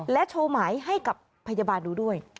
โชว์หมายให้กับพยาบาลดูด้วย